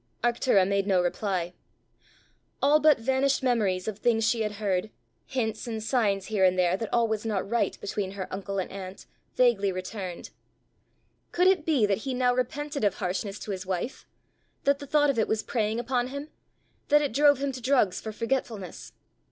Arctura made no reply. All but vanished memories of things she had heard, hints and signs here and there that all was not right between her uncle and aunt, vaguely returned: could it be that he now repented of harshness to his wife, that the thought of it was preying upon him, that it drove him to his drugs for forgetfulness?